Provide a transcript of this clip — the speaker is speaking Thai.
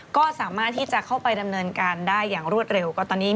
ก็สามารถที่จะเข้าไปดำเนินการได้อย่างรวดเร็วก็ตอนนี้